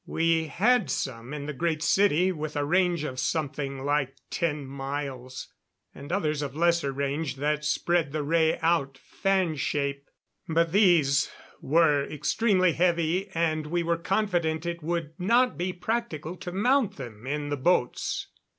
We had some in the Great City with a range of something like ten miles, and others of lesser range that spread the ray out fan shape. But these were extremely heavy, and we were confident it would not be practical to mount them in the boats.